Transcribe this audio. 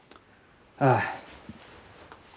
ああ。